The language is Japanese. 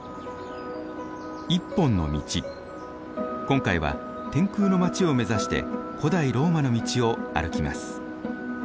今回は天空の街を目指して古代ローマの道を歩きます。